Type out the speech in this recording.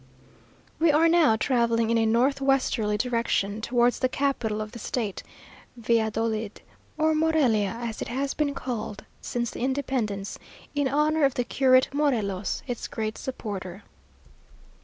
We are now travelling in a north westerly direction, towards the capital of the state, Valladolid, or Morelia, as it has been called since the independence, in honour of the curate Morelos, its great supporter.